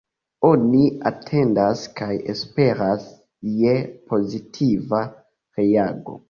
Oni atendas kaj esperas je pozitiva reago.